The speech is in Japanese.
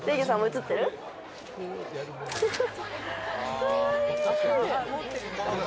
かわいい！